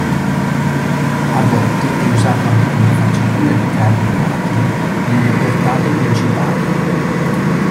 A volte è usato anche come farcitura di carni di volatili nelle portate principali.